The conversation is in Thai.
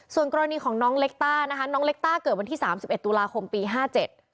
ส่วนกรณีของน้องเล็กต้านะคะน้องเล็กต้าเกิดวันที่สามสิบเอ็ดตุลาคมปีห้าเจ็ด